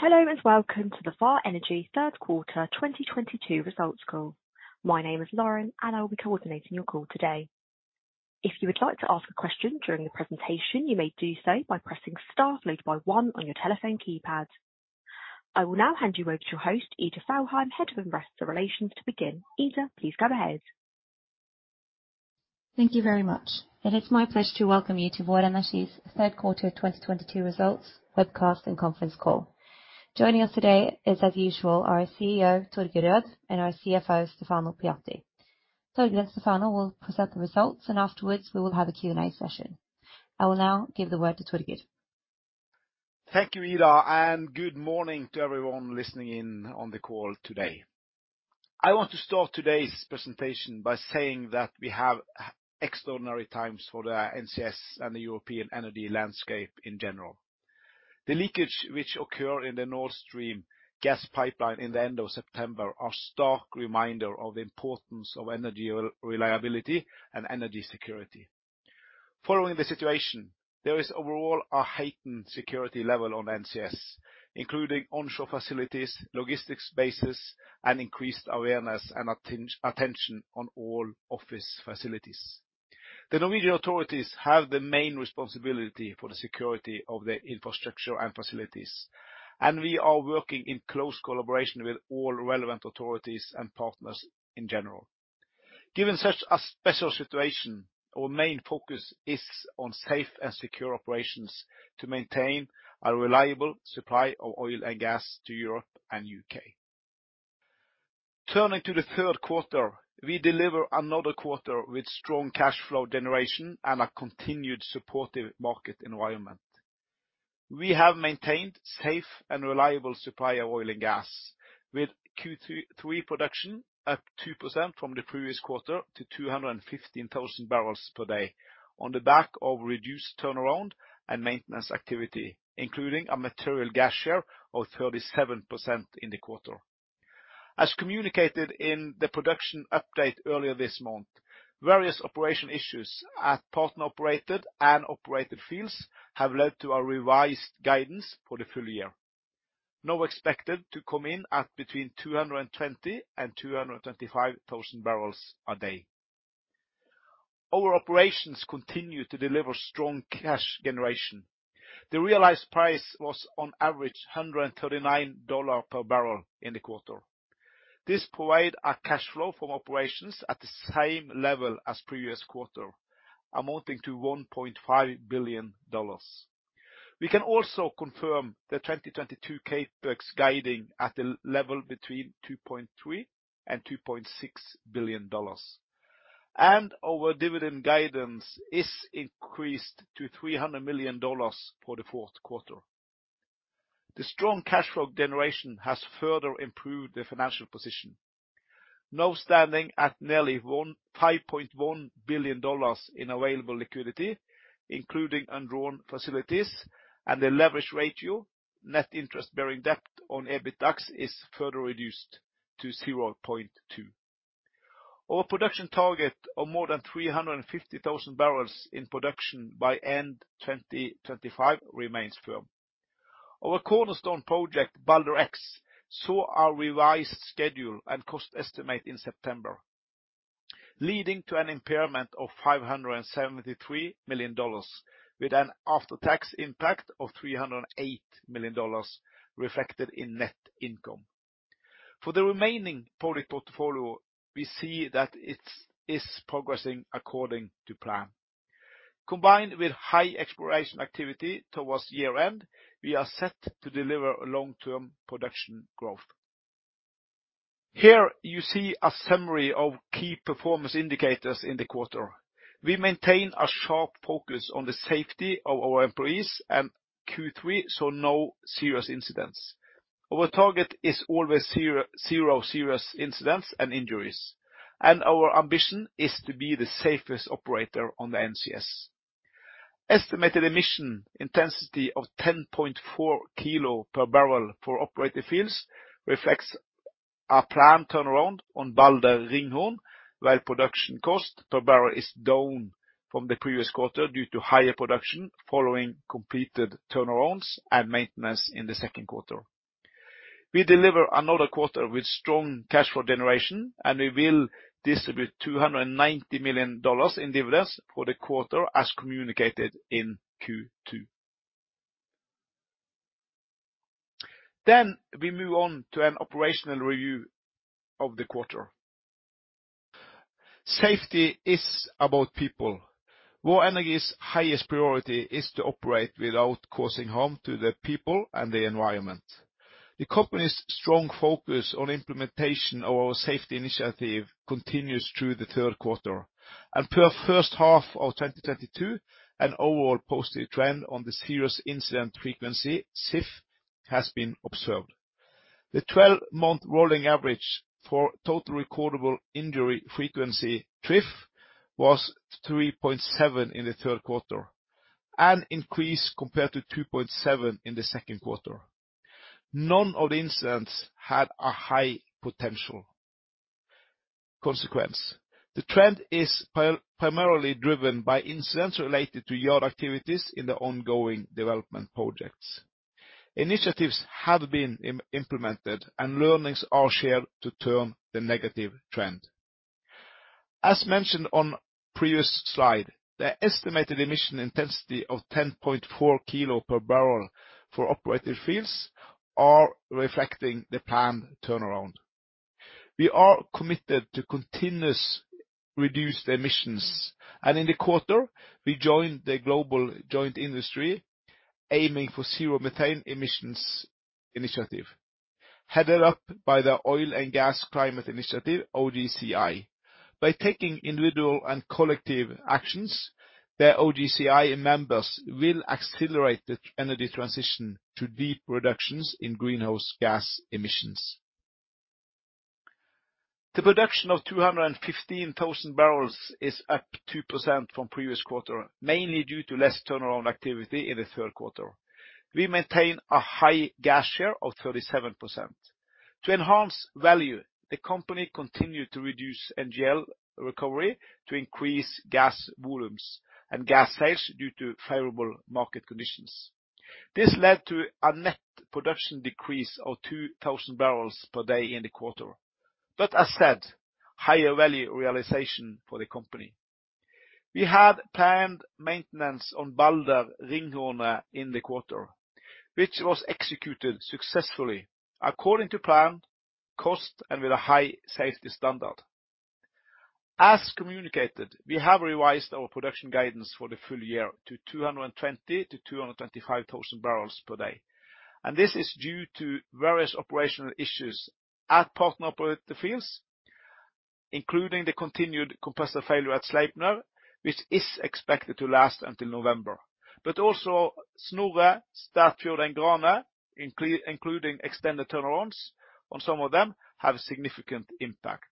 Hello and welcome to the Vår Energi Q3 2022 Results Call. My name is Lauren, and I'll be coordinating your call today. If you would like to ask a question during the presentation, you may do so by pressing star followed by one on your telephone keypad. I will now hand you over to your host, Ida Fjellheim, Head of Investor Relations, to begin. Ida, please go ahead. Thank you very much. It's my pleasure to welcome you to Vår Energi's Q3 2022 results webcast and conference call. Joining us today is, as usual, our CEO, Torger Rød, and our CFO, Stefano Pujatti. Torger and Stefano will present the results and afterwards we will have a Q&A session. I will now give the word to Torger. Thank you, Ida, and good morning to everyone listening in on the call today. I want to start today's presentation by saying that we have extraordinary times for the NCS and the European energy landscape in general. The leakage which occur in the Nord Stream gas pipeline in the end of September are stark reminder of the importance of energy reliability and energy security. Following the situation, there is overall a heightened security level on NCS, including onshore facilities, logistics spaces, and increased awareness and attention on all office facilities. The Norwegian authorities have the main responsibility for the security of the infrastructure and facilities, and we are working in close collaboration with all relevant authorities and partners in general. Given such a special situation, our main focus is on safe and secure operations to maintain a reliable supply of oil and gas to Europe and UK. Turning to the Q3, we deliver another quarter with strong cash flow generation and a continued supportive market environment. We have maintained safe and reliable supply of oil and gas with Q3 production at 2% from the previous quarter to 215,000 barrels per day on the back of reduced turnaround and maintenance activity, including a material gas share of 37% in the quarter. As communicated in the production update earlier this month, various operational issues at partner-operated and operated fields have led to a revised guidance for the full year. Now expected to come in at between 220,000 and 225,000 barrels a day. Our operations continue to deliver strong cash generation. The realized price was on average $139 per barrel in the quarter. This provides a cash flow from operations at the same level as previous quarter, amounting to $1.5 billion. We can also confirm the 2022 CapEx guidance at a low level between $2.3 billion and $2.6 billion. Our dividend guidance is increased to $300 million for the Q4. The strong cash flow generation has further improved the financial position, now standing at nearly $5.1 billion in available liquidity, including undrawn facilities, and the leverage ratio, net interest-bearing debt to EBITDA, is further reduced to 0.2. Our production target of more than 350,000 barrels in production by end 2025 remains firm. Our cornerstone project, Balder X, saw our revised schedule and cost estimate in September, leading to an impairment of $573 million with an after-tax impact of $308 million reflected in net income. For the remaining public portfolio, we see that it's progressing according to plan. Combined with high exploration activity towards year-end, we are set to deliver long-term production growth. Here you see a summary of key performance indicators in the quarter. We maintain a sharp focus on the safety of our employees, and Q3 saw no serious incidents. Our target is always zero serious incidents and injuries, and our ambition is to be the safest operator on the NCS. Estimated emission intensity of 10.4 kilo per barrel for operated fields reflects our planned turnaround on Balder/Ringhorne while production cost per barrel is down from the previous quarter due to higher production following completed turnarounds and maintenance in the Q2. We deliver another quarter with strong cash flow generation, and we will distribute $290 million in dividends for the quarter as communicated in Q2. We move on to an operational review of the quarter. Safety is about people. Vår Energi's highest priority is to operate without causing harm to the people and the environment. The company's strong focus on implementation of our safety initiative continues through the Q3. Per first half of 2022, an overall positive trend on the Serious Incident Frequency, SIF, has been observed. The twelve-month rolling average for Total Recordable Injury Frequency, TRIF, was 3.7 in the Q3, an increase compared to 2.7 in the Q2. None of the incidents had a high potential consequence. The trend is primarily driven by incidents related to yard activities in the ongoing development projects. Initiatives have been implemented and learnings are shared to turn the negative trend. As mentioned on previous slide, the estimated emission intensity of 10.4 kilo per barrel for operated fields are reflecting the planned turnaround. We are committed to continuous reduce the emissions, and in the quarter, we joined the Global Joint Industry aiming for zero methane emissions initiative, headed up by the Oil and Gas Climate Initiative, OGCI. By taking individual and collective actions, the OGCI members will accelerate the energy transition to deep reductions in greenhouse gas emissions. The production of 215,000 barrels is up 2% from previous quarter, mainly due to less turnaround activity in the Q3. We maintain a high gas share of 37%. To enhance value, the company continued to reduce NGL recovery to increase gas volumes and gas sales due to favorable market conditions. This led to a net production decrease of 2,000 barrels per day in the quarter, but as said, higher value realization for the company. We have planned maintenance Balder/Ringhorne in the quarter, which was executed successfully according to plan, cost, and with a high safety standard. As communicated, we have revised our production guidance for the full year to 220-225 thousand barrels per day, and this is due to various operational issues at partner-operated fields, including the continued compressor failure at Sleipner, which is expected to last until November. Also Snorre, Statfjord, and Grane, including extended turnarounds on some of them, have significant impact.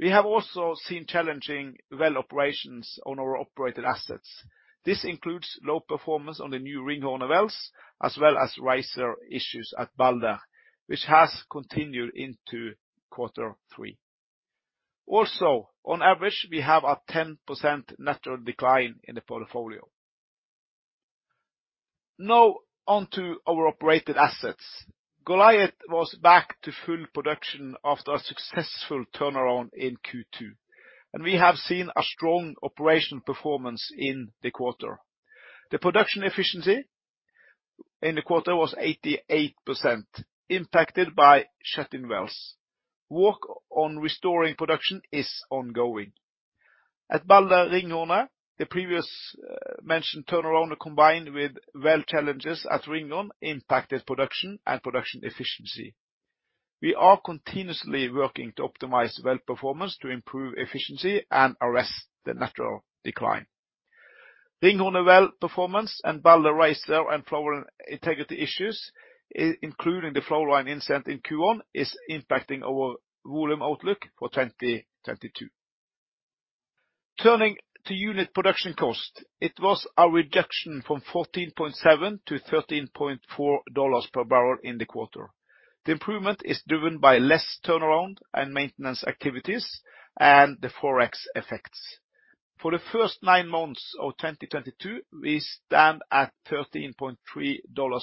We have also seen challenging well operations on our operated assets. This includes low performance on the new Ringhorne wells, as well as riser issues at Balder, which has continued into Q3. Also, on average, we have a 10% natural decline in the portfolio. Now on to our operated assets. Goliat was back to full production after a successful turnaround in Q2, and we have seen a strong operational performance in the quarter. The production efficiency in the quarter was 88% impacted by shutting wells. Work on restoring production is ongoing. At Balder/Ringhorne, the previous mentioned turnaround combined with well challenges at Ringhorne impacted production and production efficiency. We are continuously working to optimize well performance to improve efficiency and arrest the natural decline. Ringhorne well performance and Balder riser and flowline integrity issues, including the flowline incident in Q1, is impacting our volume outlook for 2022. Turning to unit production cost, it was a reduction from $14.7 to $13.4 per barrel in the quarter. The improvement is driven by less turnaround and maintenance activities and the Forex effects. For the first nine months of 2022, we stand at $13.3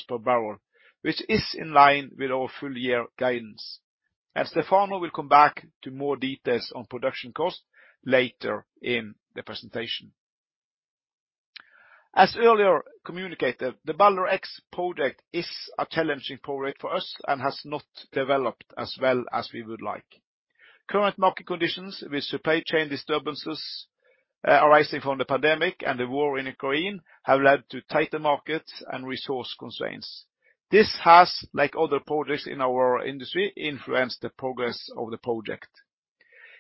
per barrel, which is in line with our full year guidance. Stefano will come back to more details on production cost later in the presentation. As earlier communicated, the Balder X project is a challenging project for us and has not developed as well as we would like. Current market conditions with supply chain disturbances arising from the pandemic and the war in Ukraine have led to tighter markets and resource constraints. This has, like other projects in our industry, influenced the progress of the project.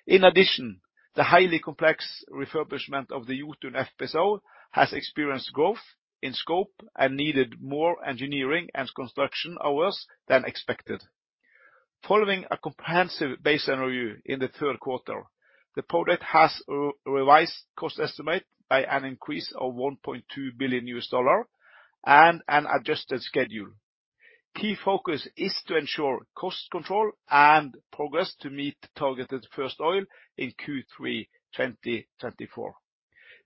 In addition, the highly complex refurbishment of the Jotun FPSO has experienced growth in scope and needed more engineering and construction hours than expected. Following a comprehensive basis review in the Q3, the project has revised cost estimate by an increase of $1.2 billion and an adjusted schedule. Key focus is to ensure cost control and progress to meet targeted first oil in Q3 2024.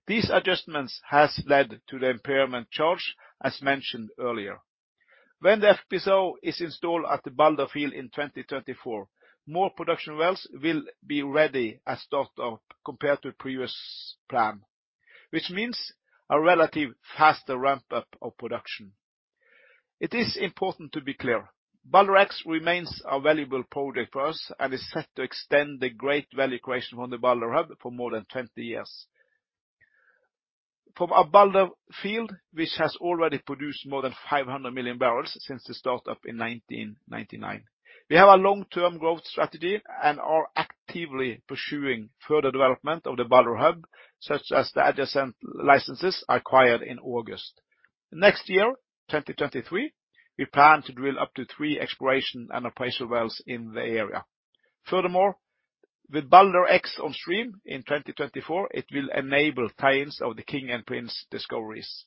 These adjustments has led to the impairment charge as mentioned earlier. When the FPSO is installed at the Balder field in 2024, more production wells will be ready at startup compared to previous plan, which means a relative faster ramp-up of production. It is important to be clear. Balder X remains a valuable project for us and is set to extend the great value creation from the Balder hub for more than 20 years. From our Balder field, which has already produced more than 500 million barrels since the startup in 1999. We have a long-term growth strategy and are actively pursuing further development of the Balder hub, such as the adjacent licenses acquired in August. Next year, 2023, we plan to drill up to three exploration and appraisal wells in the area. Furthermore, with Balder X on stream in 2024, it will enable tie-ins of the King and Prince discoveries.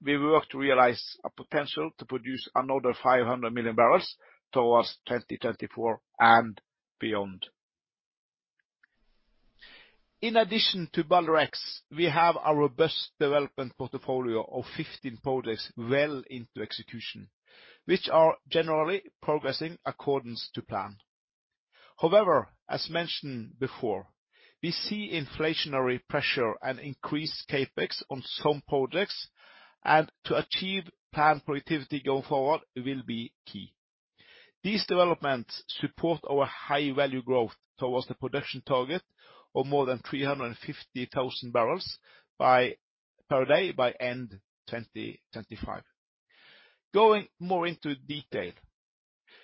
We work to realize a potential to produce another 500 million barrels towards 2024 and beyond. In addition to Balder X, we have a robust development portfolio of 15 projects well into execution, which are generally progressing in accordance with plan. However, as mentioned before, we see inflationary pressure and increased CapEx on some projects, and to achieve planned productivity going forward will be key. These developments support our high-value growth towards the production target of more than 350,000 barrels per day by end 2025. Going more into detail.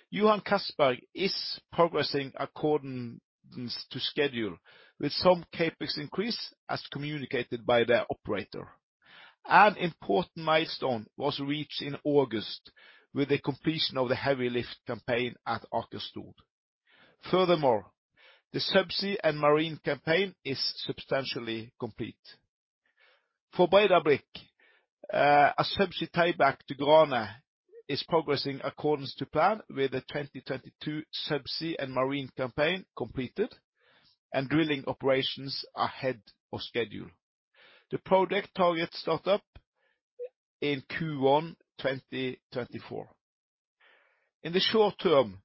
Johan Castberg is progressing in accordance with schedule, with some CapEx increase as communicated by their operator. An important milestone was reached in August with the completion of the heavy lift campaign at Jotun. Furthermore, the subsea and marine campaign is substantially complete. For Breidablikk, a subsea tieback to Grane is progressing according to plan, with the 2022 subsea and marine campaign completed and drilling operations ahead of schedule. The project targets startup in Q1 2024. In the short term,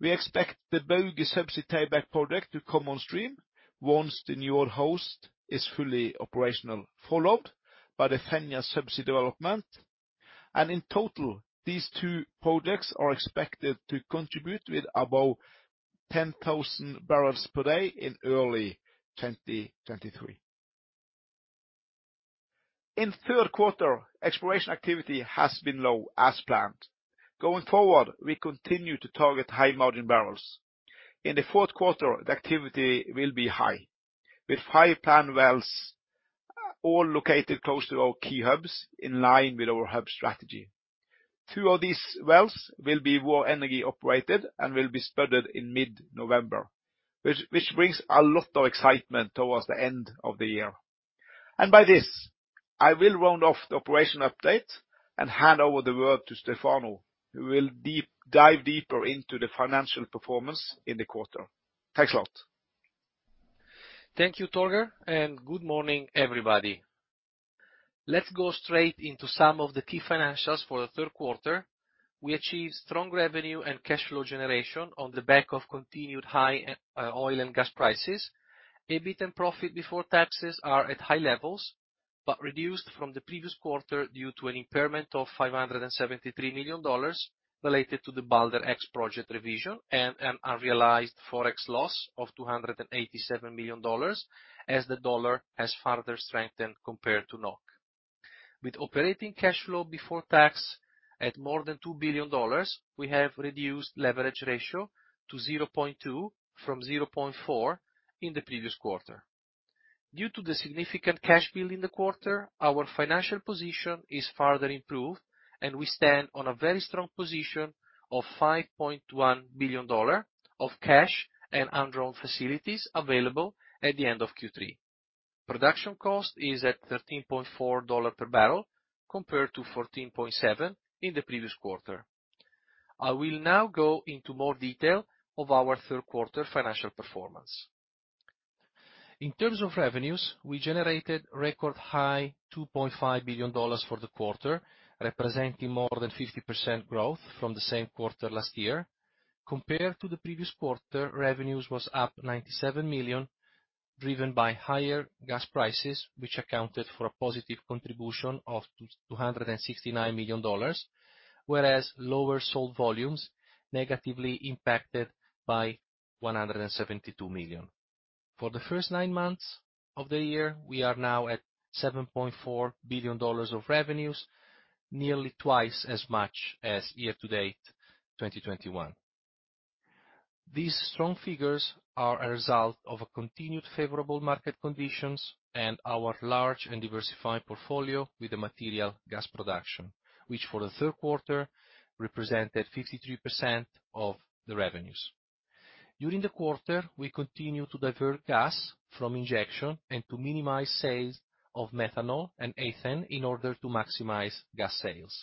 we expect the Bøyla subsea tieback project to come on stream once the new host is fully operational, followed by the Fenja subsea development. In total, these two projects are expected to contribute with above 10,000 barrels per day in early 2023. In Q3, exploration activity has been low as planned. Going forward, we continue to target high-margin barrels. In the Q4, the activity will be high, with five planned wells, all located close to our key hubs, in line with our hub strategy. Two of these wells will be Vår Energi operated and will be spudded in mid-November, which brings a lot of excitement towards the end of the year. By this, I will round off the operational update and hand over the work to Stefano, who will dive deeper into the financial performance in the quarter. Thanks a lot. Thank you, Torger, and good morning, everybody. Let's go straight into some of the key financials for the Q3. We achieved strong revenue and cash flow generation on the back of continued high oil and gas prices. EBITDA and profit before taxes are at high levels, but reduced from the previous quarter due to an impairment of $573 million related to the Balder X project revision and an unrealized Forex loss of $287 million, as the dollar has further strengthened compared to NOK. With operating cash flow before tax at more than $2 billion, we have reduced leverage ratio to 0.2 from 0.4 in the previous quarter. Due to the significant cash build in the quarter, our financial position is further improved, and we stand on a very strong position of $5.1 billion of cash and undrawn facilities available at the end of Q3. Production cost is at $13.4 per barrel, compared to 14.7 in the previous quarter. I will now go into more detail of our Q3 financial performance. In terms of revenues, we generated record high $2.5 billion for the quarter, representing more than 50% growth from the same quarter last year. Compared to the previous quarter, revenues was up $97 million, driven by higher gas prices, which accounted for a positive contribution of $269 million, whereas lower sold volumes negatively impacted by $172 million. For the first nine months of the year, we are now at $7.4 billion of revenues, nearly twice as much as year to date 2021. These strong figures are a result of a continued favorable market conditions and our large and diversified portfolio with the material gas production, which for the Q3 represented 53% of the revenues. During the quarter, we continued to divert gas from injection and to minimize sales of methanol and ethane in order to maximize gas sales.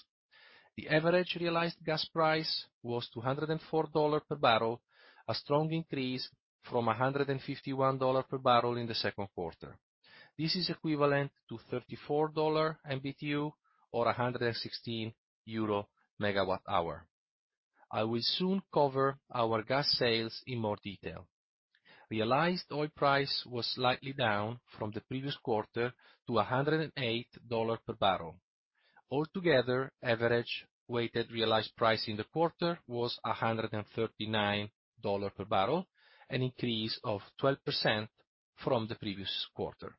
The average realized gas price was $204 per barrel, a strong increase from $151 per barrel in the Q2. This is equivalent to $34 MMBtu or EUR 116 MWh. I will soon cover our gas sales in more detail. Realized oil price was slightly down from the previous quarter to $108 per barrel. Altogether, average weighted realized price in the quarter was $139 per barrel, an increase of 12% from the previous quarter.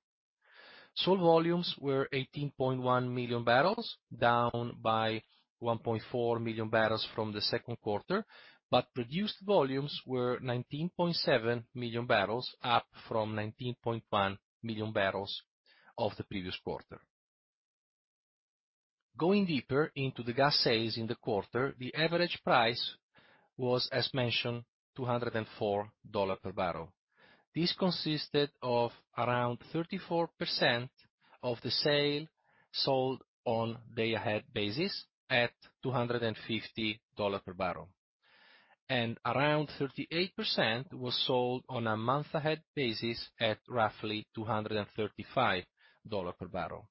Sold volumes were 18.1 million barrels, down by 1.4 million barrels from the Q2, but produced volumes were 19.7 million barrels, up from 19.1 million barrels of the previous quarter. Going deeper into the gas sales in the quarter, the average price was, as mentioned, $204 per barrel. This consisted of around 34% of the sales sold on day ahead basis at $250 per barrel. Around 38% was sold on a month ahead basis at roughly $235 per barrel.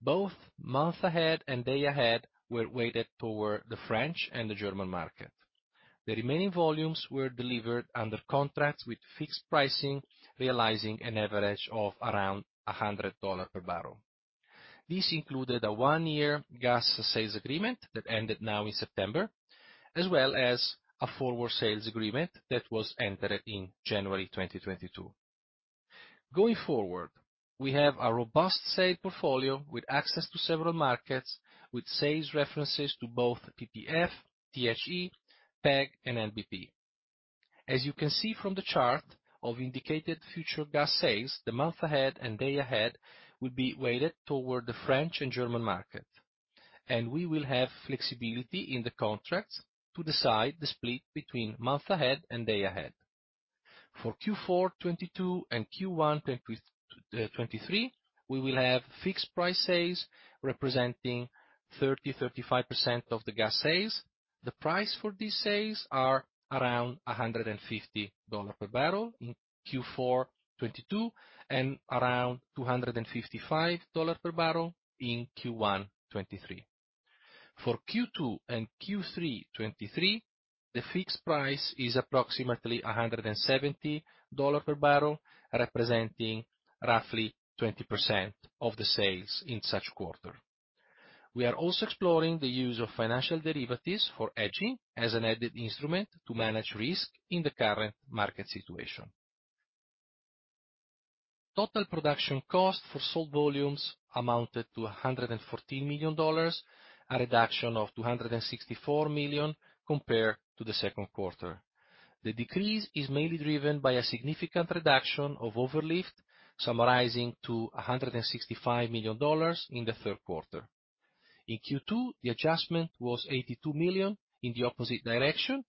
Both month ahead and day ahead were weighted toward the French and the German market. The remaining volumes were delivered under contracts with fixed pricing, realizing an average of around $100 per barrel. This included a one-year gas sales agreement that ended now in September, as well as a forward sales agreement that was entered in January 2022. Going forward, we have a robust sale portfolio with access to several markets, with sales references to both TTF, THE, PEG, and NBP. As you can see from the chart of indicated future gas sales, the month ahead and day ahead will be weighted toward the French and German market, and we will have flexibility in the contracts to decide the split between month ahead and day ahead. For Q4 2022 and Q1 2023, we will have fixed price sales representing 30-35% of the gas sales. The price for these sales are around $150 per barrel in Q4 2022, and around $255 per barrel in Q1 2023. For Q2 and Q3 2023, the fixed price is approximately $170 per barrel, representing roughly 20% of the sales in such quarter. We are also exploring the use of financial derivatives for hedging as an added instrument to manage risk in the current market situation. Total production cost for sold volumes amounted to $114 million, a reduction of $264 million compared to the Q2. The decrease is mainly driven by a significant reduction of overlift, summarizing to $165 million in the Q3. In Q2, the adjustment was $82 million in the opposite direction.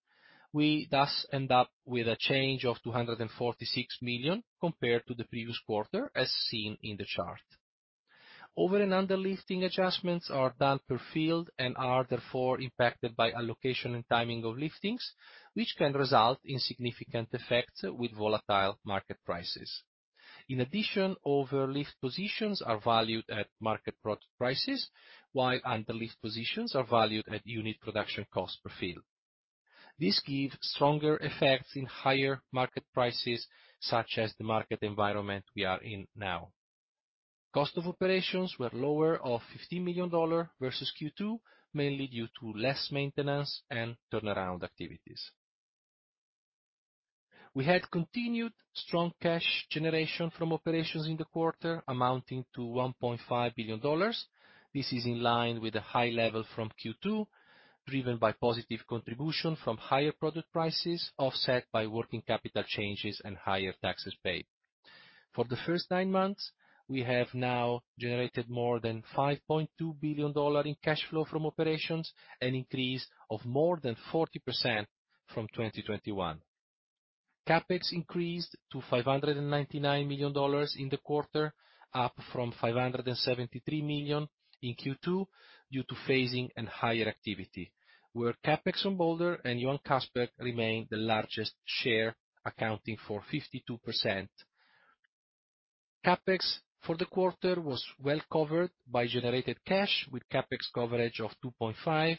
We thus end up with a change of $246 million compared to the previous quarter, as seen in the chart. Over and under lifting adjustments are done per field and are therefore impacted by allocation and timing of liftings, which can result in significant effects with volatile market prices. In addition, overlift positions are valued at market prices, while underlift positions are valued at unit production cost per field. This give stronger effects in higher market prices, such as the market environment we are in now. Cost of operations were lower by $15 million versus Q2, mainly due to less maintenance and turnaround activities. We had continued strong cash generation from operations in the quarter, amounting to $1.5 billion. This is in line with the high level from Q2, driven by positive contribution from higher product prices, offset by working capital changes and higher taxes paid. For the first nine months, we have now generated more than $5.2 billion in cash flow from operations, an increase of more than 40% from 2021. CapEx increased to $599 million in the quarter, up from $573 million in Q2 due to phasing and higher activity, where CapEx on Balder and Johan Castberg remain the largest share, accounting for 52%. CapEx for the quarter was well covered by generated cash, with CapEx coverage of 2.5.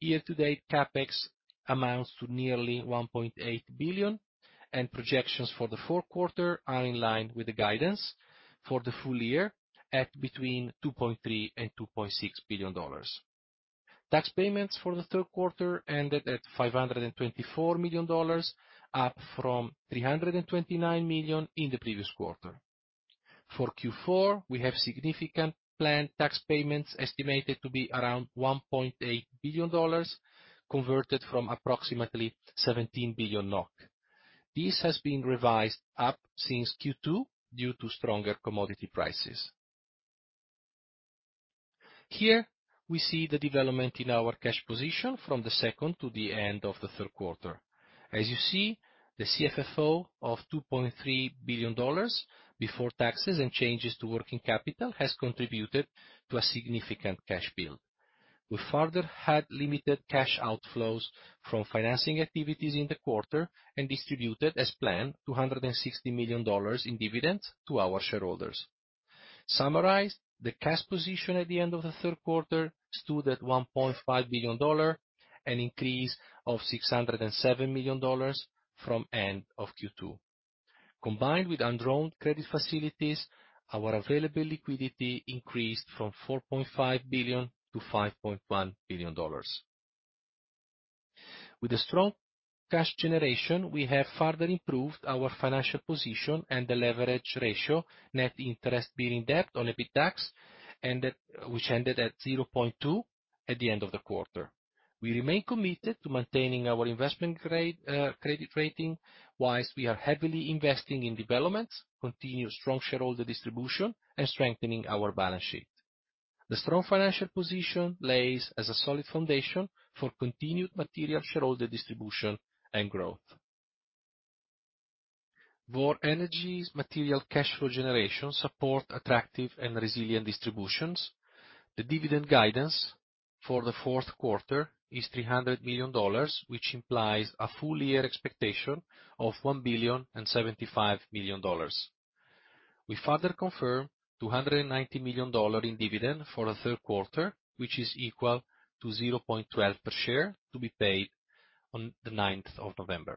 Year to date, CapEx amounts to nearly $1.8 billion, and projections for the Q4 are in line with the guidance for the full year at between $2.3 billion and $2.6 billion. Tax payments for the Q3 ended at $524 million, up from $329 million in the previous quarter. For Q4, we have significant planned tax payments, estimated to be around $1.8 billion, converted from approximately 17 billion NOK. This has been revised up since Q2 due to stronger commodity prices. Here we see the development in our cash position from the second to the end of the Q3. As you see, the CFFO of $2.3 billion before taxes and changes to working capital has contributed to a significant cash build. We further had limited cash outflows from financing activities in the quarter and distributed, as planned, $260 million in dividends to our shareholders. Summarized, the cash position at the end of the Q3 stood at $1.5 billion, an increase of $607 million from end of Q2. Combined with undrawn credit facilities, our available liquidity increased from $4.5 billion to $5.1 billion. With the strong cash generation, we have further improved our financial position and the leverage ratio, net interest bearing debt on EBITDAX, which ended at 0.2 at the end of the quarter. We remain committed to maintaining our investment grade credit rating, while we are heavily investing in developments, continued strong shareholder distribution, and strengthening our balance sheet. The strong financial position lies as a solid foundation for continued material shareholder distribution and growth. Vår Energi's material cash flow generation supports attractive and resilient distributions. The dividend guidance for the Q4 is $300 million, which implies a full-year expectation of $1.075 billion. We further confirm $290 million in dividend for the Q3, which is equal to 0.12 per share, to be paid on the 9th of November.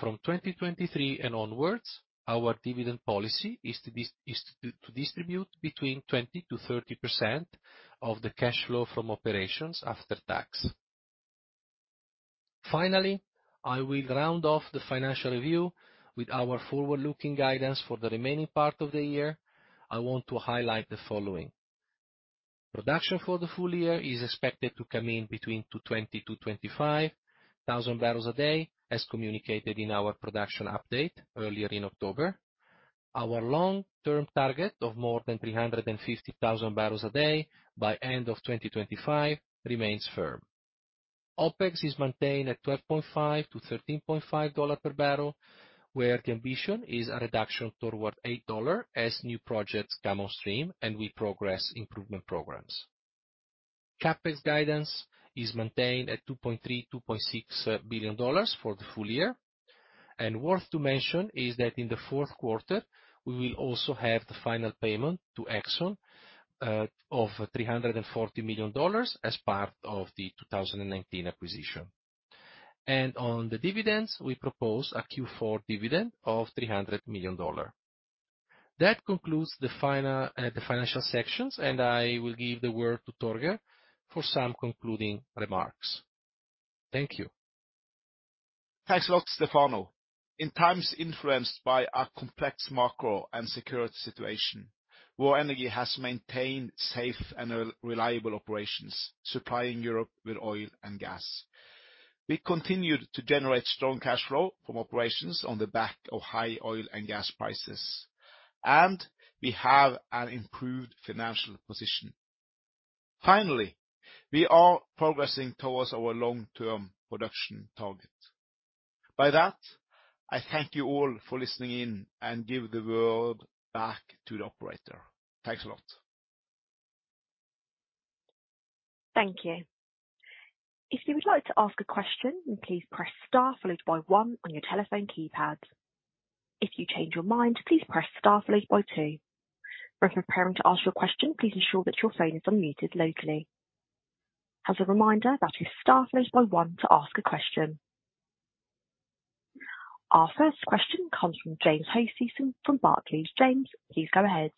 From 2023 and onwards, our dividend policy is to distribute between 20%-30% of the cash flow from operations after tax. Finally, I will round off the financial review with our forward-looking guidance for the remaining part of the year. I want to highlight the following. Production for the full year is expected to come in between 220-225 thousand barrels a day, as communicated in our production update earlier in October. Our long-term target of more than 350 thousand barrels a day by end of 2025 remains firm. OpEx is maintained at $12.5-$13.5 per barrel, where the ambition is a reduction toward $8 as new projects come on stream and we progress improvement programs. CapEx guidance is maintained at $2.3-$2.6 billion for the full year. Worth to mention is that in the Q4 we will also have the final payment to Exxon of $340 million as part of the 2019 acquisition. On the dividends, we propose a Q4 dividend of $300 million. That concludes the financial sections, and I will give the word to Torger for some concluding remarks. Thank you. Thanks a lot, Stefano. In times influenced by a complex macro and security situation, Vår Energi has maintained safe and reliable operations, supplying Europe with oil and gas. We continued to generate strong cash flow from operations on the back of high oil and gas prices, and we have an improved financial position. Finally, we are progressing towards our long-term production target. With that, I thank you all for listening in and give the word back to the operator. Thanks a lot. Thank you. If you would like to ask a question, then please press star followed by one on your telephone keypad. If you change your mind, please press star followed by two. When preparing to ask your question, please ensure that your phone is unmuted locally. As a reminder, that is star followed by one to ask a question. Our first question comes from James Hosie from Barclays. James, please go ahead.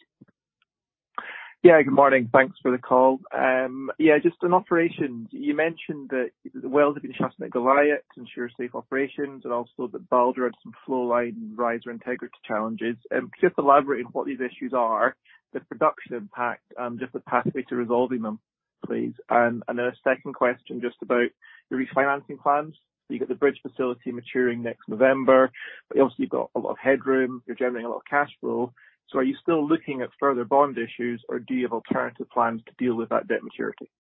Yeah, good morning. Thanks for the call. Yeah, just on operations, you mentioned that the wells have been shut at Goliat to ensure safe operations, and also that Balder had some flow line riser integrity challenges. Could you elaborate on what these issues are, the production impact, just the pathway to resolving them, please? A second question, just about the refinancing plans. You've got the bridge facility maturing next November, but you obviously have got a lot of headroom. You're generating a lot of cash flow. Are you still looking at further bond issues, or do you have alternative plans to deal with that debt maturity?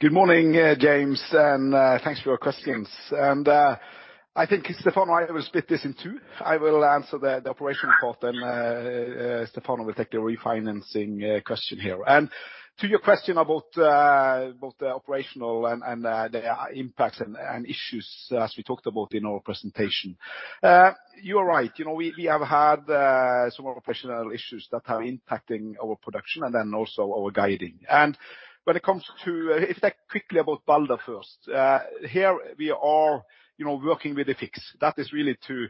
Good morning, James, and thanks for your questions. I think Stefano and I will split this in two. I will answer the operational part, and Stefano will take the refinancing question here. To your question about both the operational and the impacts and issues as we talked about in our presentation, you are right. You know, we have had some operational issues that are impacting our production and then also our guidance. When it comes to Balder, here we are, you know, working with a fix that is really to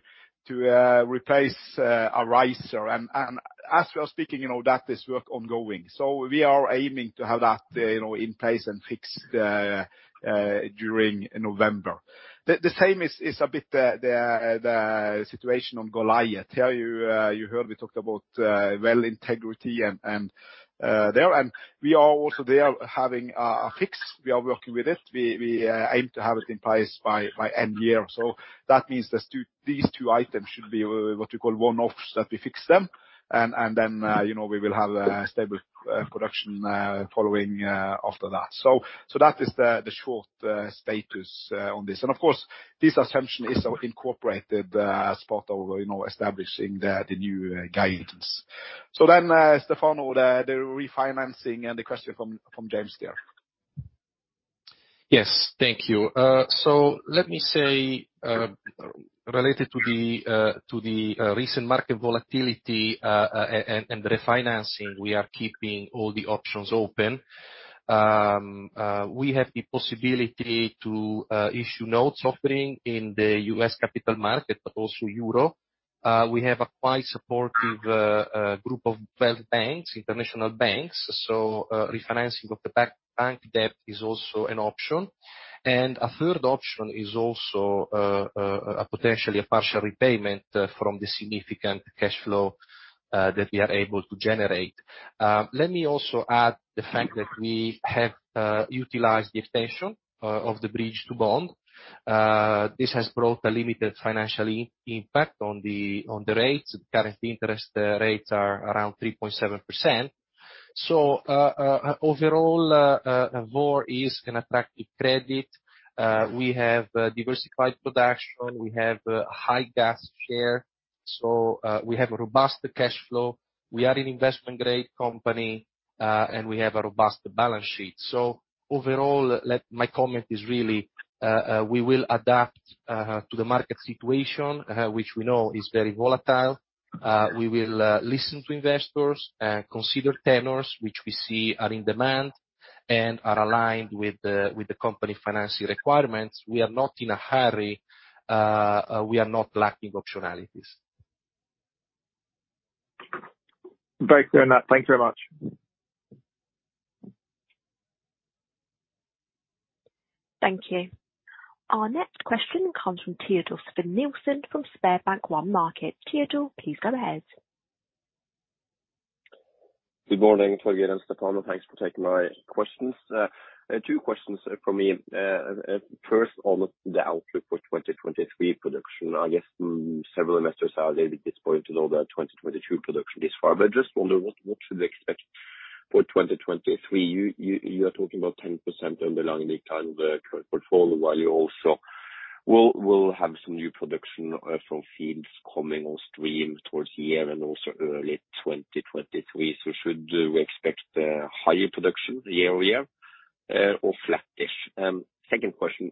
replace a riser. As we are speaking, you know, the work is ongoing. So we are aiming to have that, you know, in place and fixed during November. The same is a bit the situation on Goliat. Here you heard we talked about well integrity and there. We are also there having a fix. We are working with it. We aim to have it in place by end year. That means these two items should be what you call one-offs, that we fix them, and then you know we will have a stable production following after that. That is the short status on this. Of course, this assumption is incorporated as part of you know establishing the new guidance. Then Stefano the refinancing and the question from James there. Yes. Thank you. Let me say, related to the recent market volatility and refinancing, we are keeping all the options open. We have the possibility to issue notes offering in the U.S. capital market, but also euro. We have a quite supportive group of 12 banks, international banks. Refinancing of the bank debt is also an option. A third option is also a potentially partial repayment from the significant cash flow that we are able to generate. Let me also add the fact that we have utilized the extension of the bridge to bond. This has brought a limited financial impact on the rates. Current interest rates are around 3.7%. Overall, Vår is an attractive credit. We have diversified production. We have a high gas share. We have a robust cash flow. We are an investment grade company, and we have a robust balance sheet. Overall, my comment is really, we will adapt to the market situation, which we know is very volatile. We will listen to investors, consider tenors, which we see are in demand and are aligned with the company financial requirements. We are not in a hurry. We are not lacking optionalities. Very clear on that. Thank you very much. Thank you. Our next question comes from Teodor Sveen-Nilsen from SpareBank 1 Markets. Teodor, please go ahead. Good morning, Torger and Stefano. Thanks for taking my questions. I have two questions from me. First on the outlook for 2023 production. I guess several investors are ready at this point to know that 2022 production is flat, but just wonder what they should expect for 2023. You are talking about 10% underlying the current portfolio, while you also will have some new production from fields coming on stream towards the year and also early 2023. Should we expect higher production year-over-year or flattish? Second question,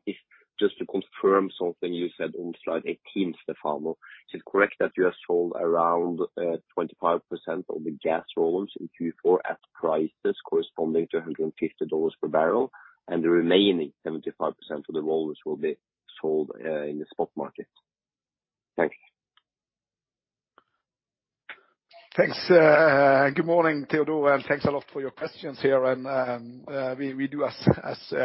just to confirm something you said on slide 18, Stefano. Is it correct that you have sold around 25% of the gas volumes in Q4 at prices corresponding to $150 per barrel, and the remaining 75% of the volumes will be sold in the spot market? Thank you. Thanks. Good morning, Teodor, and thanks a lot for your questions here. We do as you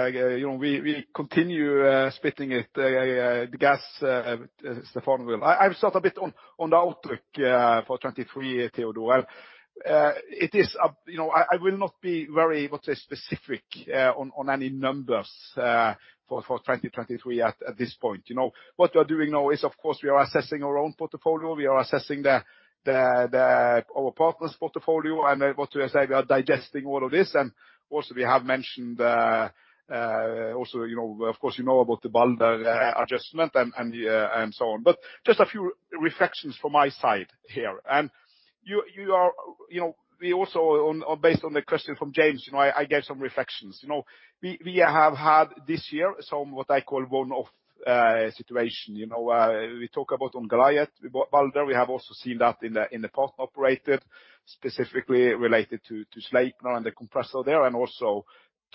know, we continue splitting it, the gas, as Stefano will. I will start a bit on the outlook for 2023, Teodor. It is up, you know, I will not be very, what to say, specific on any numbers for 2023 at this point. You know, what we are doing now is, of course, we are assessing our own portfolio, we are assessing our partner's portfolio. What do I say? We are digesting all of this. Also we have mentioned, you know, of course you know about the Balder adjustment and so on. Just a few reflections from my side here. You know, we also based on the question from James, you know, I gave some reflections. You know, we have had this year some, what I call, one-off situation. You know, we talk about on Goliat, Balder, we have also seen that in the portfolio, specifically related to Sleipner and the compressor there, and also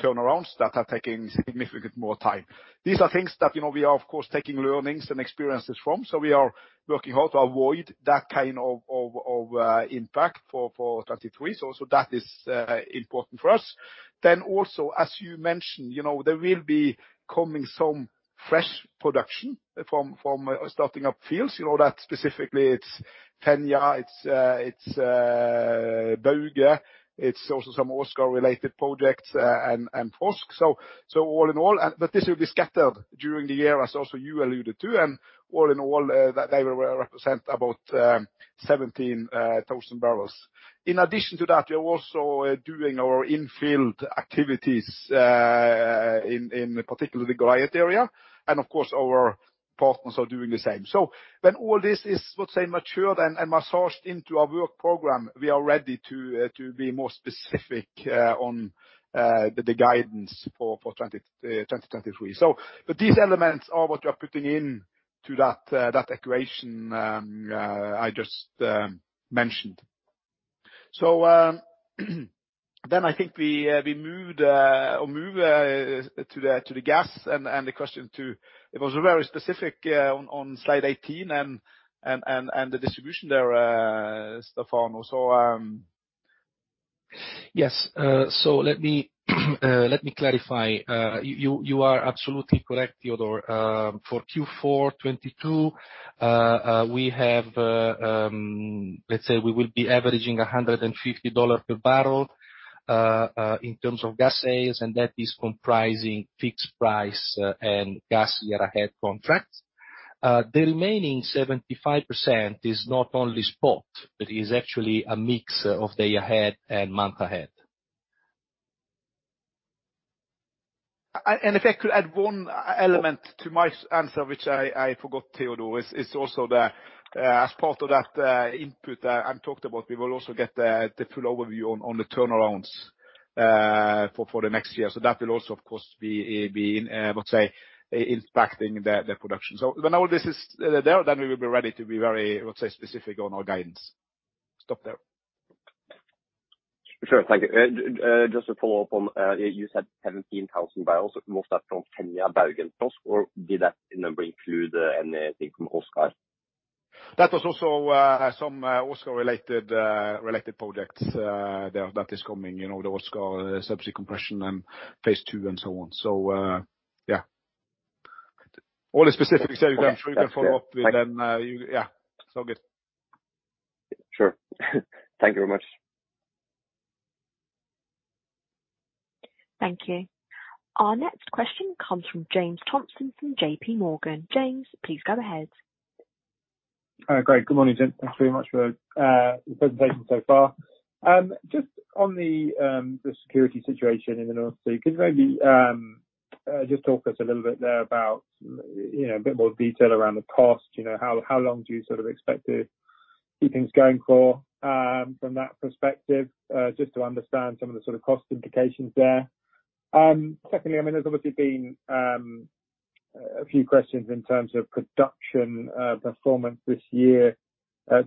turnarounds that are taking significant more time. These are things that, you know, we are of course taking learnings and experiences from. We are working hard to avoid that kind of impact for 2023. That is important for us. Also as you mentioned, you know, there will be coming some fresh production from starting up fields. You know that specifically it's Fenja, it's Bøyla. It's also some Oseberg-related projects and Frosk. All in all, this will be scattered during the year as also you alluded to. All in all, that they will represent about 17,000 barrels. In addition to that, we are also doing our infield activities in particular the Goliat area. Of course, our partners are doing the same. When all this is, let's say, matured and massaged into our work program, we are ready to be more specific on the guidance for 2023. These elements are what we are putting into that equation I just mentioned. Then I think we move to the gas and the question to. It was very specific on slide 18 and the distribution there, Stefano. Yes. Let me clarify. You are absolutely correct, Teodor. For Q4 2022, we have, let's say we will be averaging $150 per barrel in terms of gas sales, and that is comprising fixed price and gas year-ahead contracts. The remaining 75% is not only spot, but is actually a mix of day-ahead and month-ahead. If I could add one element to my answer, which I forgot, Teodor, is also the, as part of that input I've talked about, we will also get the full overview on the turnarounds for the next year. That will also, of course, be in, let's say, impacting the production. When all this is there, then we will be ready to be very, let's say, specific on our guidance. Stop there. Sure. Thank you. Just to follow up on, you said 17,000 barrels, most are from Fenja, Bøyla, Frosk, or did that number include anything from Oseberg? That was also some Oseberg-related projects there that is coming. You know, the Oseberg subsea compression and phase two and so on. Yeah. All the specifics there, we can follow up with and you. Yeah. It's all good. Sure. Thank you very much. Thank you. Our next question comes from James Thompson from J.P. Morgan. James, please go ahead. Great. Good morning, James. Thanks very much for the presentation so far. Just on the security situation in the North Sea, could you maybe just talk us a little bit there about, you know, a bit more detail around the cost. You know, how long do you sort of expect to keep things going for from that perspective? Just to understand some of the sort of cost implications there. Secondly, I mean, there's obviously been a few questions in terms of production performance this year.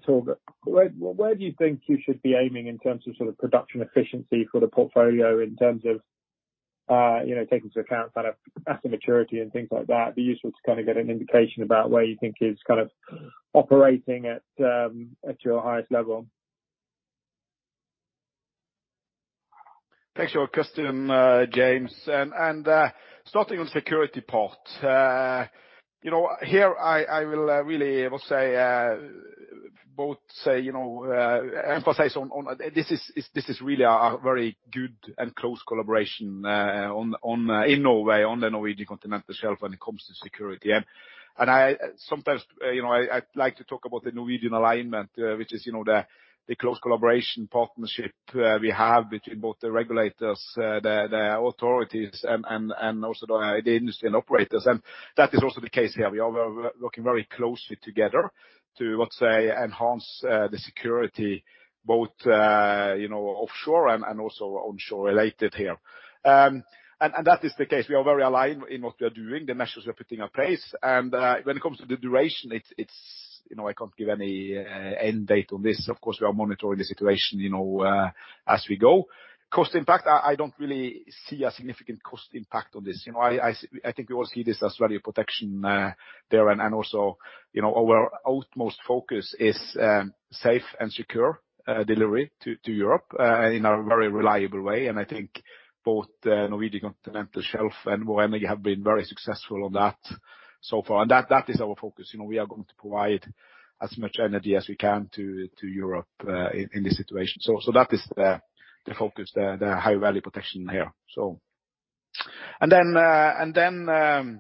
Torger, where do you think you should be aiming in terms of sort of production efficiency for the portfolio in terms of, you know, taking into account kind of asset maturity and things like that? It'd be useful to kind of get an indication about where you think it's kind of operating at your highest level. Thanks for your question, James. Starting on the security part, you know, here I will really, well, say you know emphasize that this is really a very good and close collaboration in Norway on the Norwegian Continental Shelf when it comes to security. I sometimes, you know, I like to talk about the Norwegian model, which is, you know, the close collaboration partnership we have between both the regulators, the authorities, and also the industry and operators. That is also the case here. We are working very closely together to let's say enhance the security both you know offshore and also onshore related here. That is the case. We are very aligned in what we are doing, the measures we are putting in place. When it comes to the duration, it's you know, I can't give any end date on this. Of course, we are monitoring the situation, you know, as we go. Cost impact, I think we all see this as value protection there and also you know, our utmost focus is safe and secure delivery to Europe in a very reliable way. I think both Norwegian Continental Shelf and Vår Energi have been very successful on that so far. That is our focus. You know, we are going to provide as much energy as we can to Europe in this situation. That is the focus, the high-value protection here. Then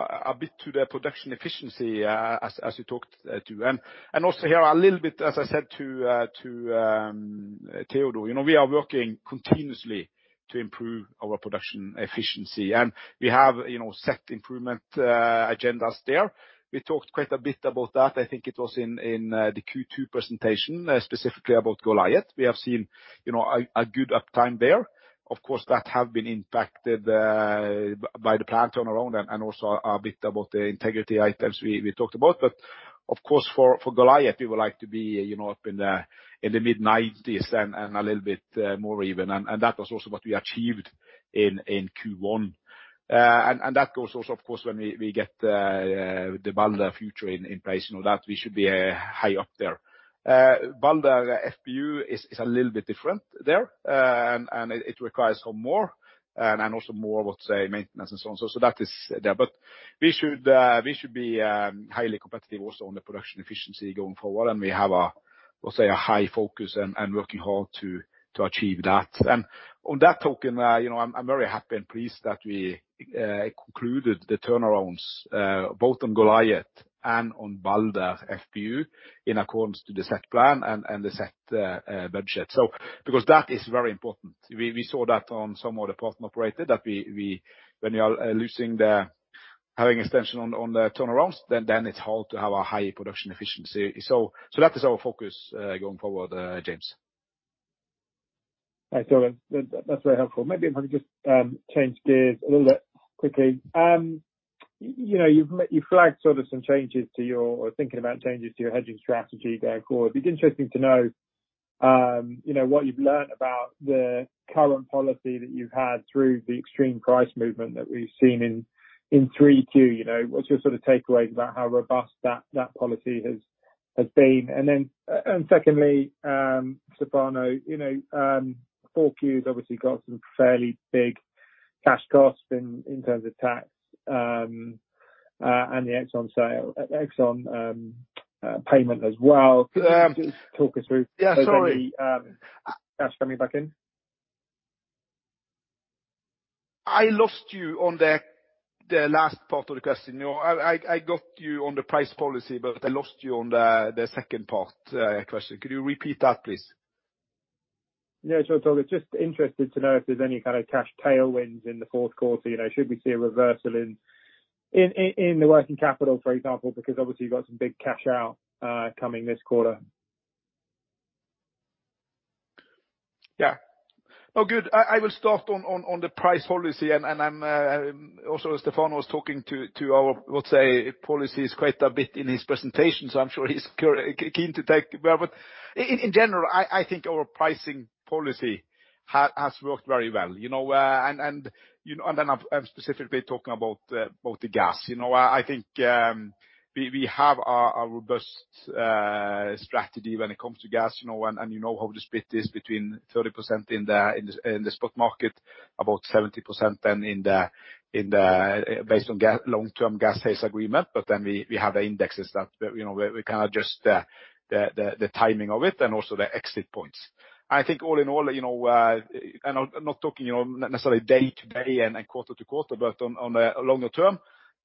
a bit to the production efficiency as you talked to. Also here a little bit, as I said to Teodor, you know, we are working continuously to improve our production efficiency. We have, you know, set improvement agendas there. We talked quite a bit about that. I think it was in the Q2 presentation, specifically about Goliat. We have seen, you know, a good uptime there. Of course, that have been impacted by the plant turnaround and also a bit about the integrity items we talked about. But of course, for Goliat, we would like to be, you know, up in the mid-90s and a little bit more even. That was also what we achieved in Q1. That goes also, of course, when we get the Balder Future in place, you know, that we should be high up there. Balder FPU is a little bit different there, and it requires some more and also more of, say, maintenance and so on, so that is there. But we should be highly competitive also on the production efficiency going forward. We have, we'll say, a high focus and working hard to achieve that. On that note, you know, I'm very happy and pleased that we concluded the turnarounds both on Goliat and on Balder FPU in accordance to the set plan and the set budget. Because that is very important. We saw that on some of the non-operated that we when you are having extension on the turnarounds, then it's hard to have a high production efficiency. That is our focus going forward, James. Right. That's very helpful. Maybe if I could just change gears a little bit quickly. You've flagged sort of some changes to your thinking about changes to your hedging strategy going forward. It'd be interesting to know what you've learned about the current policy that you've had through the extreme price movement that we've seen in 2022. What's your sort of takeaways about how robust that policy has been? And then, secondly, Stefano, Q4 has obviously got some fairly big cash costs in terms of tax, and the Exxon sale Exxon payment as well. Um. Talk us through. Yeah, sorry. Any cash coming back in? I lost you on the last part of the question. You know, I got you on the price policy, but I lost you on the second part, question. Could you repeat that, please? Yeah, sure, Tor. Just interested to know if there's any kind of cash tailwinds in the Q4, you know. Should we see a reversal in the working capital, for example, because obviously you've got some big cash out coming this quarter. Yeah. No, good. I will start on the pricing policy, and I'm also Stefano was talking about our policies quite a bit in his presentation, so I'm sure he's keen to take. But in general, I think our pricing policy has worked very well, you know, and you know, and then I'm specifically talking about the gas, you know. I think we have a robust strategy when it comes to gas, you know, and you know how the split is between 30% in the spot market, about 70% then in the, based on long-term gas sales agreement. We have the indexes that, you know, we kind of adjust the timing of it and also the exit points. I think all in all, you know, and I'm not talking, you know, necessarily day to day and quarter to quarter, but on a longer term,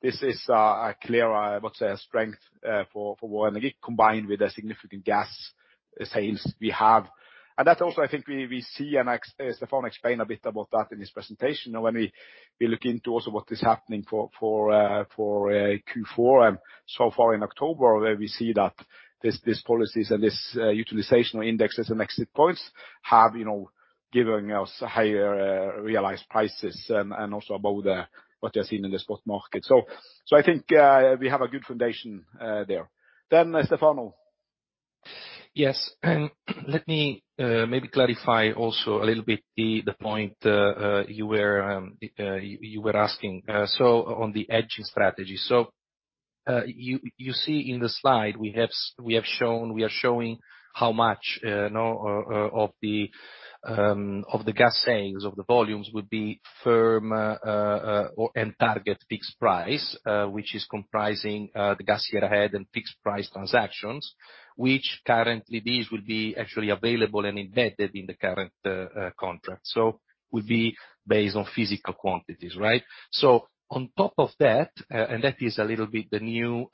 this is a clear, let's say a strength for Vår Energi combined with a significant gas sales we have. And that also I think we see and Stefano explained a bit about that in his presentation. When we look into also what is happening for Q4 and so far in October, where we see that these policies and this utilization indexes and exit points have, you know, giving us higher realized prices and also above what they are seeing in the spot market. I think we have a good foundation there. Stefano. Yes. Let me maybe clarify also a little bit the point you were asking. On the hedging strategy. You see in the slide we have shown we are showing how much of the gas sales, of the volumes would be firm or and target fixed price, which is comprising the gas year ahead and fixed price transactions, which currently these would be actually available and embedded in the current contract. Would be based on physical quantities, right? On top of that, and that is a little bit the new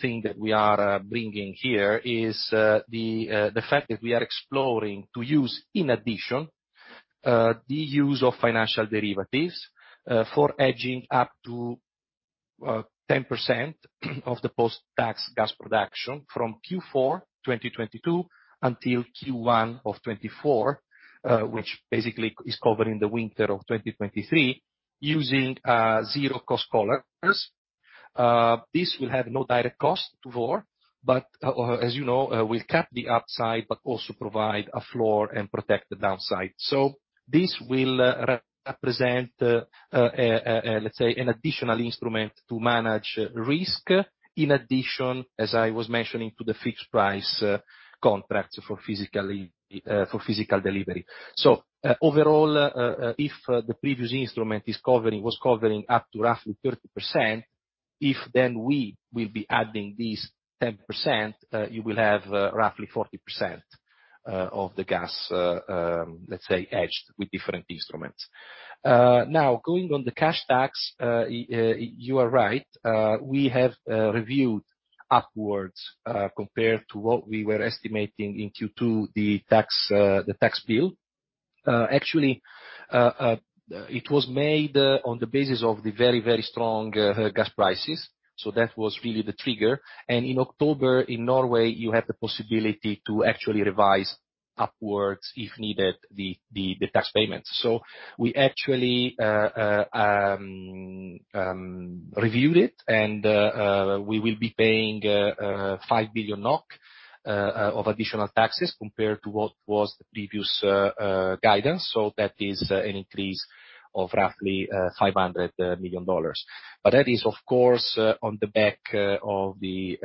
thing that we are bringing here is the fact that we are exploring to use, in addition, the use of financial derivatives for hedging up to 10% of the post-tax gas production from Q4 2022 until Q1 of 2024, which basically is covering the winter of 2023, using zero-cost collars. This will have no direct cost to Vår, but, as you know, will cap the upside but also provide a floor and protect the downside. This will represent, let's say, an additional instrument to manage risk in addition, as I was mentioning, to the fixed price contracts for physical delivery. Overall, if the previous instrument was covering up to roughly 30%, then we will be adding this 10%. You will have roughly 40% of the gas, let's say hedged with different instruments. Now going on the cash tax, you are right. We have reviewed upwards compared to what we were estimating in Q2, the tax bill. Actually, it was made on the basis of the very, very strong gas prices. That was really the trigger. In October, in Norway, you have the possibility to actually revise upwards if needed, the tax payments. We actually reviewed it, and we will be paying 5 billion NOK of additional taxes compared to what was the previous guidance. That is an increase of roughly $500 million. That is, of course, on the back of the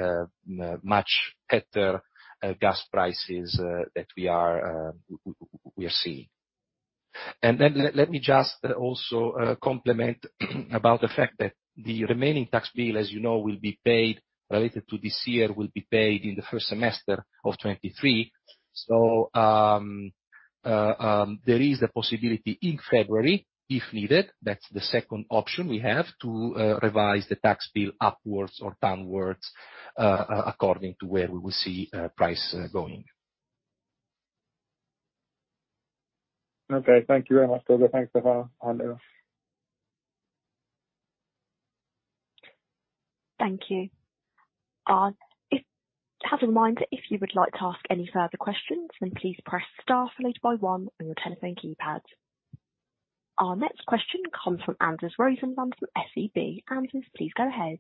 much better gas prices that we are seeing. Let me just also comment about the fact that the remaining tax bill, as you know, will be paid related to this year, will be paid in the first semester of 2023. There is a possibility in February, if needed, that's the second option we have, to revise the tax bill upwards or downwards according to where we will see price going. Okay. Thank you very much, Torger. Thanks, Stefano and the rest. Thank you. As a reminder, if you would like to ask any further questions, then please press star followed by one on your telephone keypad. Our next question comes from Anders Rosenlund from SEB. Anders, please go ahead.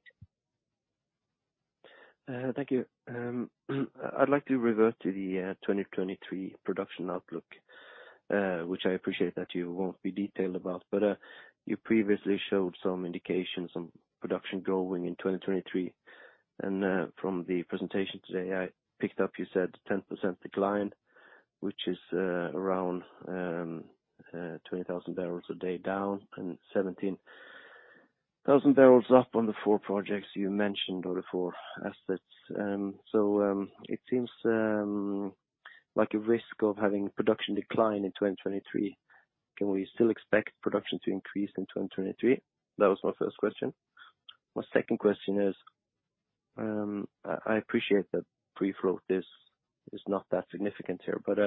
Thank you. I'd like to revert to the 2023 production outlook, which I appreciate that you won't be detailed about. You previously showed some indications on production growing in 2023. From the presentation today, I picked up you said 10% decline, which is around 20,000 barrels a day down and 17,000 barrels up on the four projects you mentioned or the four assets. It seems like a risk of having production decline in 2023. Can we still expect production to increase in 2023? That was my first question. My second question is, I appreciate that pre-float is not that significant here, but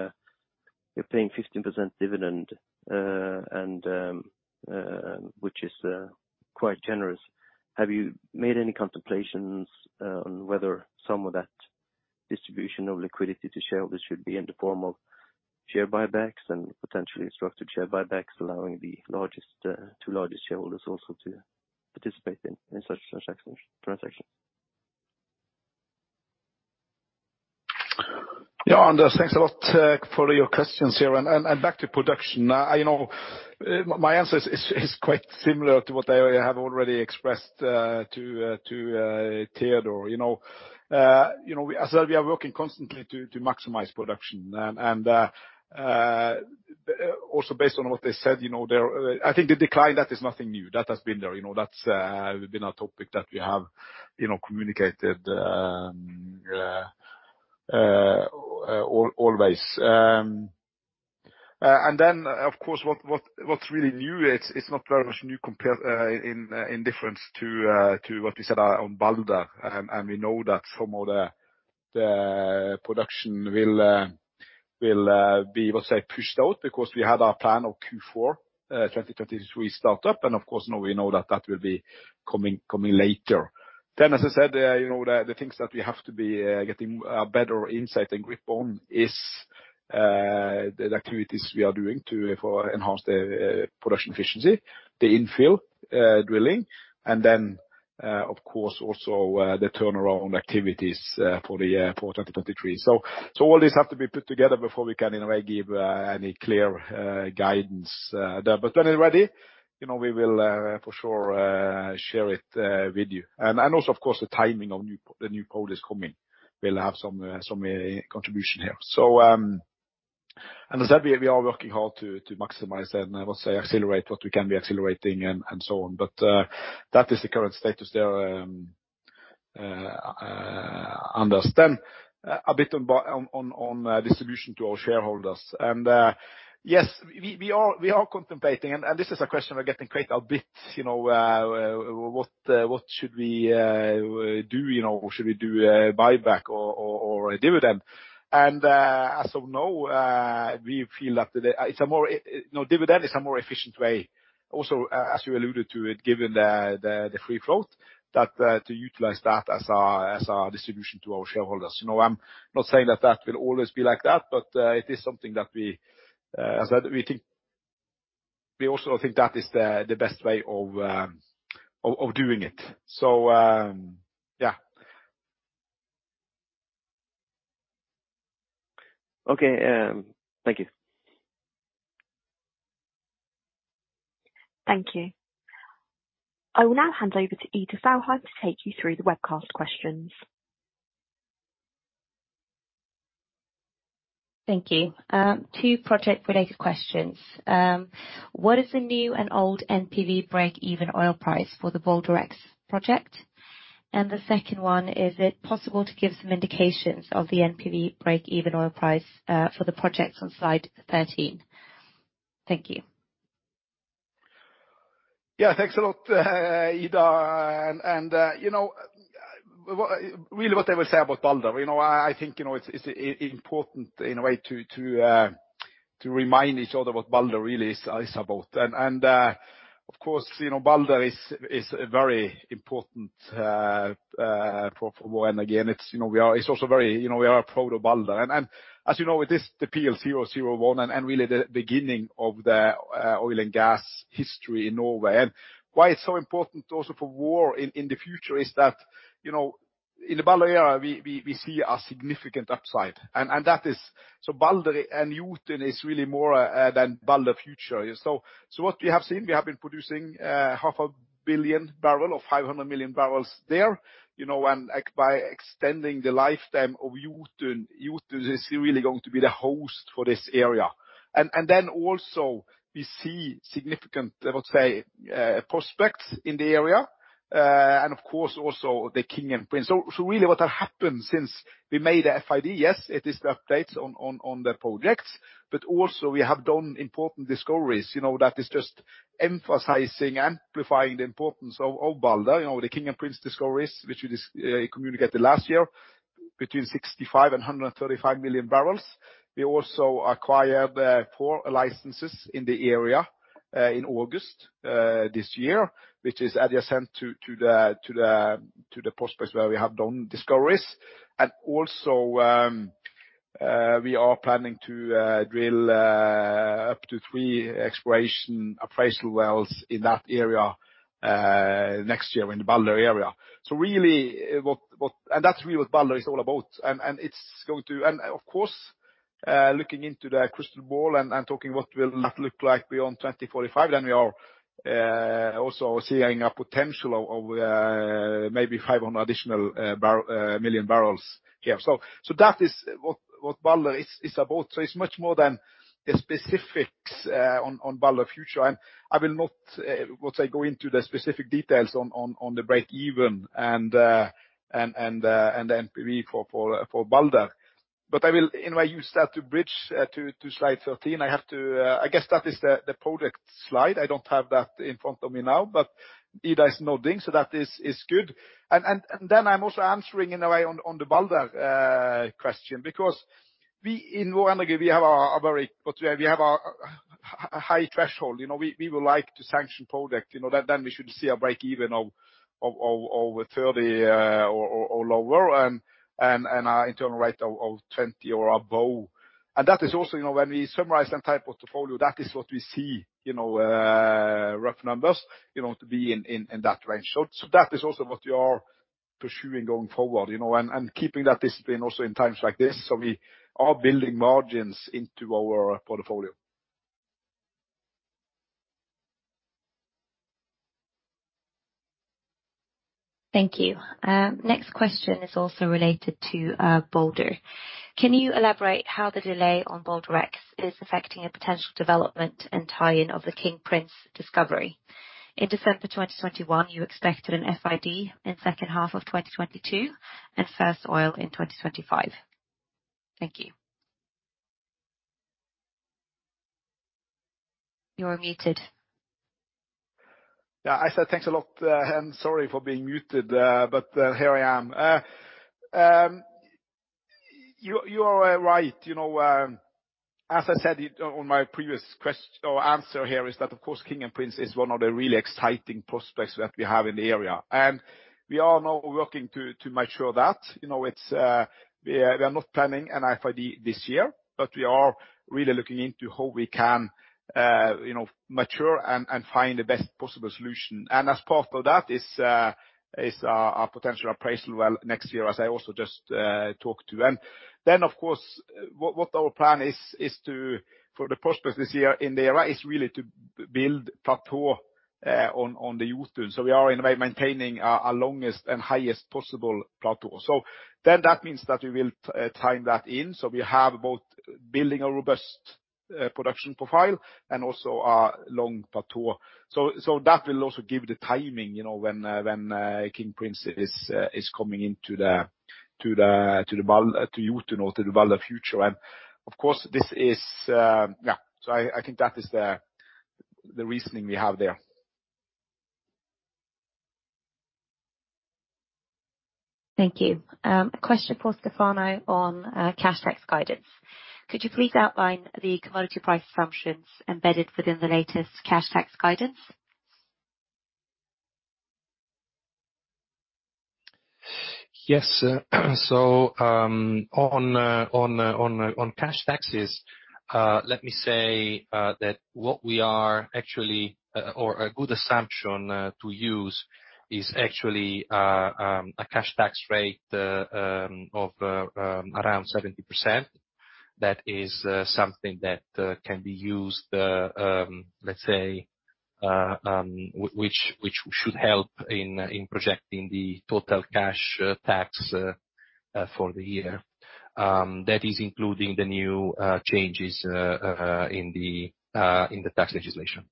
you're paying 15% dividend, and which is quite generous. Have you made any contemplations on whether some of that distribution of liquidity to shareholders should be in the form of share buybacks and potentially structured share buybacks, allowing the two largest shareholders also to participate in such transactions? Yeah. Anders, thanks a lot for your questions here. Back to production. I know, my answer is quite similar to what I have already expressed to Teodor. You know, as I said, we are working constantly to maximize production. Also based on what they said, you know, there, I think the decline, that is nothing new. That has been there. You know, that's been a topic that we have, you know, communicated always. Of course, what's really new, it's not very much new compared to what we said on Balder, and we know that some of the production will be, let's say, pushed out because we had our plan of Q4 2023 startup. Of course, now we know that that will be coming later. As I said, you know, the things that we have to be getting a better insight and grip on is the activities we are doing to enhance the production efficiency, the infill drilling, and then of course also the turnaround activities for 2023. All these have to be put together before we can in a way give any clear guidance there. But when we're ready, you know, we will for sure share it with you. Also, of course, the timing of the new poll is coming. We'll have some contribution here. As I said, we are working hard to maximize that and I would say accelerate what we can accelerate and so on. That is the current status there, understand. A bit on distribution to our shareholders. Yes, we are contemplating, and this is a question we're getting quite a bit, you know, what should we do? You know, should we do a buyback or a dividend? As of now, we feel that it's a more, you know, dividend is a more efficient way. Also, as you alluded to it, given the free float, that to utilize that as our distribution to our shareholders. You know, I'm not saying that will always be like that, but it is something that we, as I said, we think. We also think that is the best way of doing it. Yeah. Okay, thank you. Thank you. I will now hand over to Ida Fjellheim to take you through the webcast questions. Thank you. Two project-related questions. What is the new and old NPV break-even oil price for the Balder X project? The second one, is it possible to give some indications of the NPV break-even oil price for the projects on slide 13? Thank you. Yeah, thanks a lot, Ida. You know, really what I will say about Balder, you know, I think, you know, it's important in a way to remind each other what Balder really is about. Of course, you know, Balder is a very important for Vår Energi, and again, it's, you know, we also very, you know, we are proud of Balder. As you know, it is the PL 001 and really the beginning of the oil and gas history in Norway. Why it's so important also for Vår in the future is that, you know, in the Balder era, we see a significant upside. That is so Balder and Utsira is really more than Balder Future. What we have seen, we have been producing half a billion barrels or 500 million barrels there. You know, and by extending the lifetime of Balder is really going to be the host for this area. Also we see significant, I would say, prospects in the area. Of course, also the King and Prince. Really what has happened since we made a FID, yes, it is the updates on the projects, but also we have done important discoveries. You know, that is just emphasizing, amplifying the importance of Balder. You know, the King and Prince discoveries, which we communicated last year, between 65 and 135 million barrels. We also acquired four licenses in the area in August this year, which is adjacent to the prospects where we have done discoveries. We are planning to drill up to three exploration appraisal wells in that area next year in the Balder area. That's really what Balder is all about. Of course, looking into the crystal ball and talking what will that look like beyond 2045, then we are also seeing a potential of maybe 500 additional million barrels here. That is what Balder is about. It's much more than the specifics on Balder Future. I will, once I go into the specific details on the break-even and the NPV for Balder. I will in a way use that to bridge to slide 13. I have to. I guess that is the project slide. I don't have that in front of me now. Ida is nodding, so that is good. I'm also answering in a way on the Balder question because we, in Vår Energi, we have a high threshold. You know, we would like to sanction project. You know, then we should see a break-even of 30 or lower and our internal rate of 20 or above. That is also, you know, when we summarize that type of portfolio, that is what we see, you know, rough numbers, you know, to be in that range. That is also what we are pursuing going forward, you know, and keeping that discipline also in times like this. We are building margins into our portfolio. Thank you. Next question is also related to Balder. Can you elaborate how the delay on Balder X is affecting a potential development and tie-in of the King Prince discovery? In December 2021, you expected an FID in second half of 2022 and first oil in 2025. Thank you. You are muted. Yeah, Ida, thanks a lot. Sorry for being muted, but here I am. You are right. You know, as I said on my previous question or answer, here is that, of course, King and Prince is one of the really exciting prospects that we have in the area. We are now working to mature that. You know, we are not planning an FID this year, but we are really looking into how we can, you know, mature and find the best possible solution. As part of that is our potential appraisal well next year, as I also just talked to. Then of course, what our plan is to for the prospects this year in the area is really to build plateau on the Utsira. We are in a way maintaining our longest and highest possible plateau. Then that means that we will time that in, so we have both building a robust production profile and also our long plateau. That will also give the timing, you know, when King Prince is coming into the to Utsira or to the Balder Future. Of course, this is. I think that is the reasoning we have there. Thank you. A question for Stefano on cash tax guidance. Could you please outline the commodity price assumptions embedded within the latest cash tax guidance? On cash taxes, let me say that what we are actually or a good assumption to use is actually a cash tax rate of around 70%. That is something that can be used, let's say, which should help in projecting the total cash tax for the year. That is including the new changes in the tax legislation.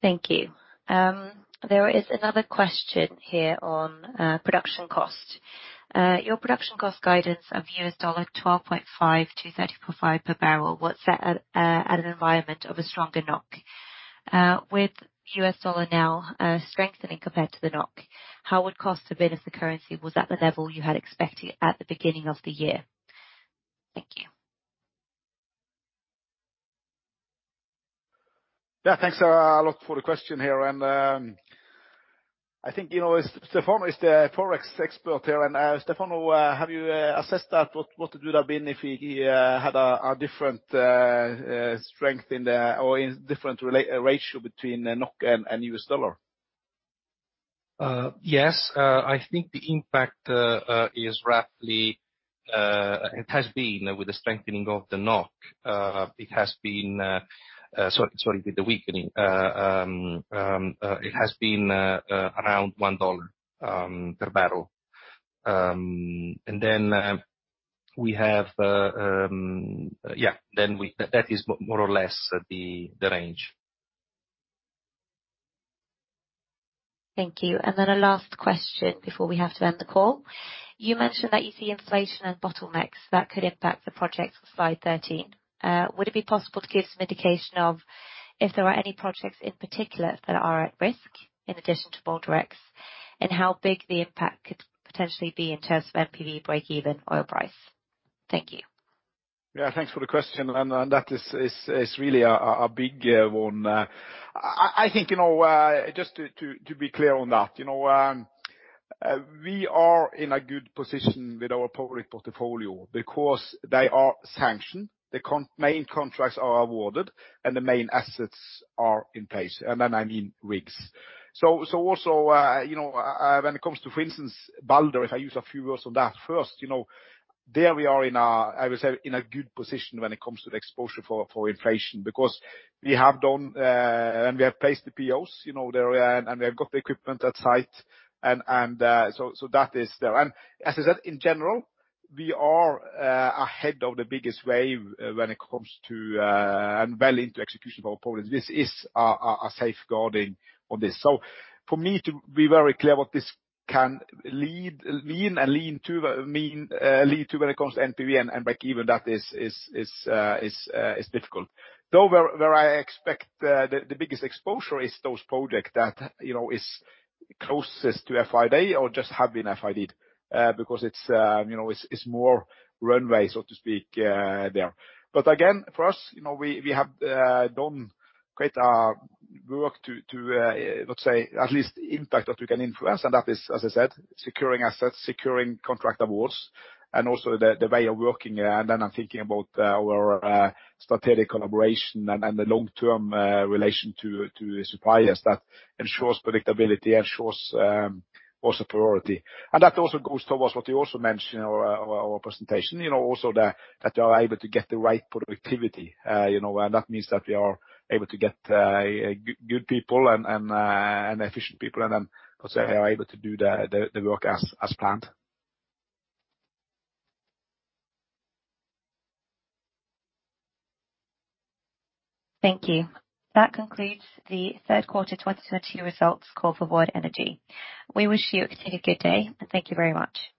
Thank you. There is another question here on production cost. Your production cost guidance of $12.5-$30.5 per barrel was set at an environment of a stronger NOK. With the US dollar now strengthening compared to the NOK, how would cost have been if the currency was at the level you had expected at the beginning of the year? Thank you. Yeah, thanks a lot for the question here. I think, you know, Stefano is the Forex expert here. Stefano, have you assessed that, what it would have been if he had a different strength or different ratio between the NOK and US dollar? Yes. I think the impact is roughly it has been with the weakening of the NOK around $1 per barrel. That is more or less the range. Thank you. A last question before we have to end the call. You mentioned that you see inflation and bottlenecks that could impact the projects on slide 13. Would it be possible to give some indication of if there are any projects in particular that are at risk in addition to Balder X, and how big the impact could potentially be in terms of NPV break-even oil price? Thank you. Yeah, thanks for the question. That is really a big one. I think, you know, just to be clear on that, you know, we are in a good position with our project portfolio because they are sanctioned, the main contracts are awarded, and the main assets are in place, and then I mean rigs. Also, you know, when it comes to, for instance, Balder, if I use a few words on that first, you know, there we are in a, I would say, in a good position when it comes to the exposure for inflation, because we have done and we have placed the POs, you know, there, and we have got the equipment on site, and so that is there. In general, we are ahead of the biggest wave when it comes to and well into execution of our projects. This is our safeguarding on this. For me to be very clear what this can lead to when it comes to NPV and break-even that is difficult. Though, where I expect the biggest exposure is those projects that, you know, is closest to FID or just have been FID, because it's, you know, it's more runway, so to speak, there. Again, for us, you know, we have done quite work to let's say at least impact that we can influence, and that is, as I said, securing assets, securing contract awards, and also the way of working. Then I'm thinking about our strategic collaboration and the long-term relation to the suppliers that ensures predictability, ensures also priority. That also goes towards what you also mentioned in our presentation, you know, also that you are able to get the right productivity, you know, and that means that we are able to get good people and efficient people, and then let's say are able to do the work as planned. Thank you. That concludes the Q3 2022 results call for Vår Energi. We wish you a continued good day, and thank you very much.